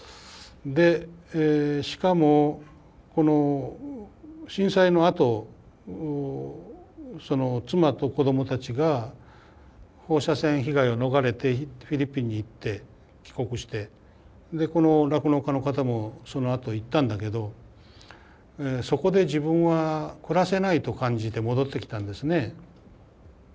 でしかもこの震災のあと妻と子どもたちが放射線被害を逃れてフィリピンに行って帰国してこの酪農家の方もそのあと行ったんだけどそこで自分は暮らせないと感じて戻ってきたんですね。